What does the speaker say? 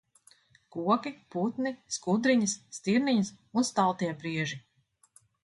Koki, putni, skudriņas, stirniņas un staltie brieži.